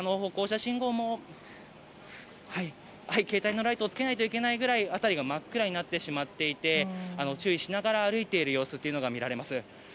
携帯のライトをつけないといけないくらい辺りが真っ暗になってしまっていて注意しながら歩いている様子が見られます。